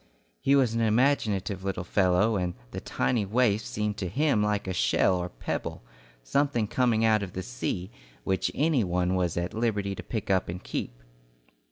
He was an imaginative little fellow, and the tiny waif seemed to him like a shell or a pebble, something coming out of the sea, which any one was at liberty to pick up and keep.